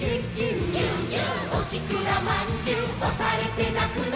「おしくらまんじゅうおされてなくな」